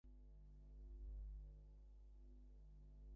অনুরাগে চাওয়া-পাওয়ার হিসেব থাকে, ভক্তি তারও বড়ো।